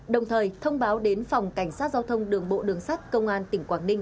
đồng thời thông báo đến phòng cảnh sát giao thông đường bộ đường sắt công an tỉnh quảng ninh